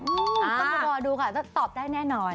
ต้องรอดูค่ะตอบได้แน่นอน